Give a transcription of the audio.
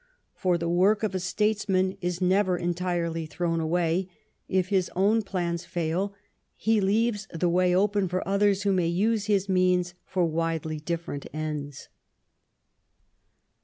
For the work of a statesman is never entirely thrown away ; if his own plans fail, he leaves the way open for others who may use his means for widely different ends.